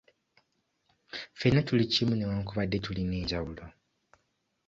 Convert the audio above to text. Ffenna tuli kimu newankubadde tulina enjawulo